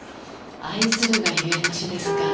愛するがゆえの死ですか。